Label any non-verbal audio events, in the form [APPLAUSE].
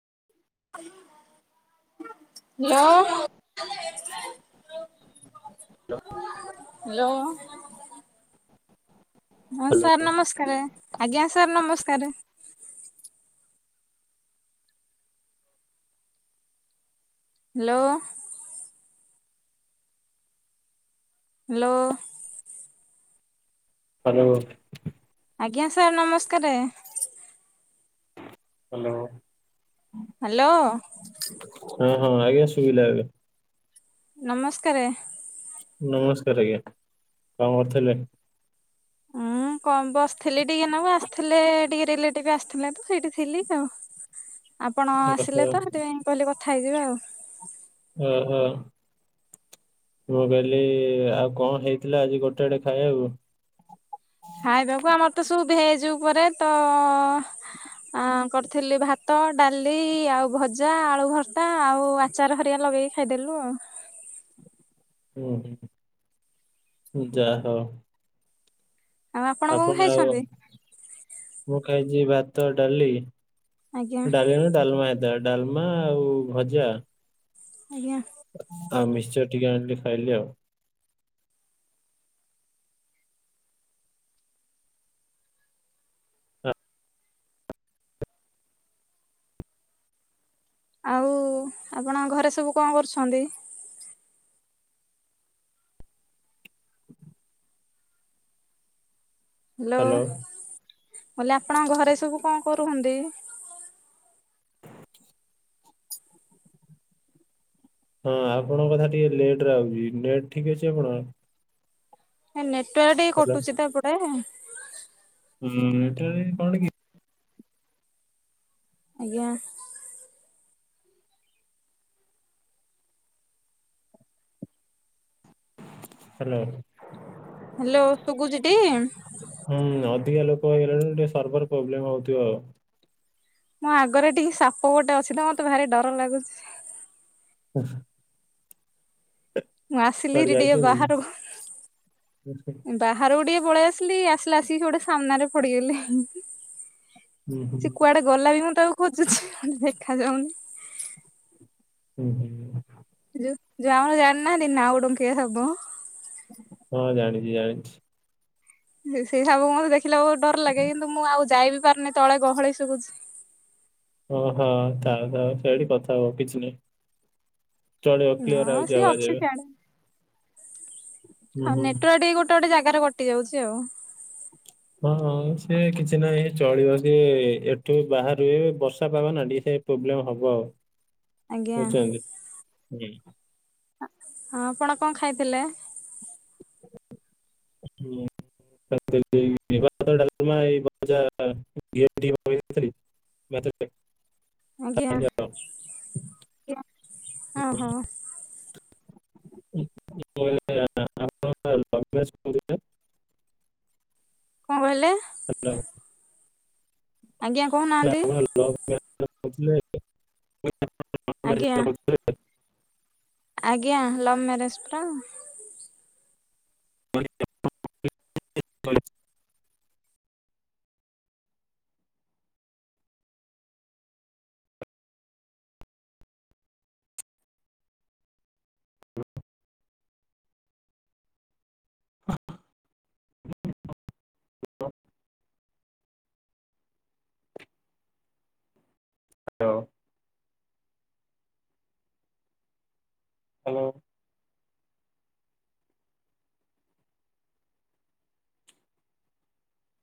[INAUDIBLE] ଲୋ। ଲୋ। ହାଲୋ। ହଁ hello sir ନମସ୍କାରେ ଆଜ୍ଞା ସାର୍ ନମସ୍କାରେ। ହାଲୋ। ହାଲୋ। ହାଲୋ। ଆଜ୍ଞା ସାର୍ ନମସ୍କାରେ। ହାଲୋ। ହାଲୋ। ହଁ ହଁ ଆଜ୍ଞା ଶୁବିଲା ଏବେ। ନମସ୍କାରେ। ନମସ୍କାର ଆଜ୍ଞା। କଣ କରୁଥିଲେ? ହଁ। ମୁଁ କ ବସିଥିଲି ଟିକେ ନଗୁ। ଆସିଥିଲେ ଟିକେ ରିଲେଟିିବ୍ ଆସିଥିଲେ ତ ସେଇଠି ଥିଲି ଆଉ। ଆପଣ ଓହୋ ଆସିଲେ ତ ସେଥିପାଇଁ କହିଲେ କଥା ହେଇଯିବା ଆଉ। ଓ ହ। ମୁଁ କହିଲି ଆଉ କଣ ହେଇଥିଲା ଆଜି ଗୋଟେ ଏଳେ ଖାଏ ଆକୁ। ଖାଇବାକୁ ଆମର ତ ସବୁ ଭେଜ୍ ଉପରେ। ତ ଅ କରିଥିଲି ଭାତ ଡାଲି ଆଉ ଭଜା ଆଳୁ ଭର୍ତା ଆଉ ଆଚାର ହରିଆ ଲଗେଇ ଖାଇଦେଲୁ ଆଉ। ହୁଁ ହୁଁ ଯା ହଉ। ଆଉ କଣ ଆପଣ ଆଉ ଖାଇଛନ୍ତି? ମୁଁ ଖାଇ ଯି ଭାତ ଡାଲି ଆଜ୍ଞା ଡାଲି ନ ଡାଲମା ହେଇଥିଲା। ଡାଲମା ଆଉ ଭଜା। ଆଜ୍ଞା। ଆଁ ମିଶ୍ଚର୍ ଟିକେ ଆଣିଲି ଖାଇଲି ଆଉ। ଆ- ଆଉ ଆପଣଙ୍କ ଘରେ ସବୁ କଣ କରୁଛନ୍ତି? [INAUDIBLE] ହ୍ୟାଲୋ ମୁଁ ଲେ ଆପଣଙ୍କ ଘରେ ସବୁ କଣ କରୁଛନ୍ତି? [INAUDIBLE] ହଁ ଆପଣଙ୍କ କଥା ଟିକେ ଲେଟରେ ଆଉଚି। ନେଟ୍ ଠିକ୍ ଅଛି ଆପଣଙ୍କ। ନେଟୱାର୍ ଟିକେ କଟୁଛି ତ ଏପଟେ। ହ ନେଟ୍ୱ କଣ କି ଆଜ୍ଞା। ହ୍ୟାଲୋ। ହ୍ୟାଲୋ ସୁଗୁଛିଟି? କହଲାଣି ଟିକେ ସର୍ଭର ପ୍ରୋବ୍ଲେମ ହେଉଥିବ ଆଉ। ମୋ ଆଗରେ ଟିକେ ସାପ ଗୋଟେ ଅଛି ତ। ମତେ ଭାରି ଡର ଲାଗୁଛି। ହୁ। ମୁଁ ଆସିଲିରି ଟିକେ ଯାଇଛନ୍ତି? ହୁଁ ବାହରକୁ। ବାହାରକୁ ଟିକେ ପଳେଇ ଆସିଲି। ଆସିଲେ ଆସିକି ଗୋଟେ ସାମ୍ନାରେ ପଡିଗଲି। ହୁଁ ସେ କୁଆଡେ ଗଲା ବି ମୁଁ ତାକୁ ଖୋଜୁଛି ଦେଖା ଯାଉନି। ହୁଁ ହୁଁ। ଯଉ ଯୋଉ ଜାଣିନାହାନ୍ତି ନାଉଡଙ୍କିଆ ସାପ। ହଁ ଜାଣିଛି ଜାଣିଛି। ସେଇସାପ କୁ ମତେ ଦେଖିଲାକୁ ବହୁତ ଡର ଲାଗେ। କିନ୍ତୁ ମୁଁ ଆଉ ଯାଇବି ପାରୁନି ତଳେ ଗହଳି ସୁଭୁଛି। ଓ ହଁ ଥାଉ ଥାଉ ସେଇଠି କଥା ହୁଅ କିଛି ନାହିଁ। ଚଳିବ କ୍ଳିଅର ହଁ ଆଉଛି ସିଏ ଅଛି ଆବାଜ ଏବେ। ସିଆଡେ ହୁଁ ଆଉ ହୁଁ ନେଟୱାର୍ ଟିକେ ଗୋଟେ ଗୋଟେ ଜାଗାରେ କଟି ଯାଉଛି ଆଉ। ହଁ ହଁ ସେ କିଛି ନାହିଁ ଚଳିବ। ସିଏ ଏଠୁ ବାହାରୁ ବର୍ଷା ପାଗ ନା ଟିକେ ସେ ଟିକେ ପ୍ରୋବ୍ଲେମ ହବ ଆଉ। ଆଜ୍ଞା ବୁଝିଛନ୍ତି ହଁ। ହଁ ଆପଣ କଣ ଖାଇଥିଲେ? ହୁଁ [UNINTELLIGIBLE] [UNINTELLIGIBLE] ଆଜ୍ଞା ଖାଇଲି ଆଉ। ଆଜ୍ଞା। ଓହୋ। [UNINTELLIGIBLE] ଆପଣ ପା ଲଭ୍ ମ୍ୟାରେଜ୍ କରୁଥିଲେ। କଣ କହିଲେ? ହ୍ୟାଲୋ। ଆଜ୍ଞା କହୁ ନାହାନ୍ତି। ଆଜ୍ଞା [UNINTELLIGIBLE] ଆଜ୍ଞା ଲଭ୍ ମ୍ୟାରେଜ୍ ପା। [UNINTELLIGIBLE] ହ [UNINTELLIGIBLE] ହ୍ୟାଲୋ। ହ୍ୟାଲୋ।